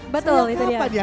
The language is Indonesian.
betul itu dia